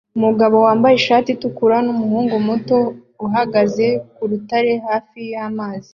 Umugabo wambaye ishati itukura n'umuhungu muto uhagaze ku rutare hafi y'amazi